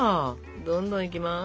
どんどんいきます。